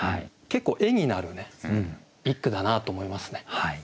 結構絵になる一句だなと思いますね。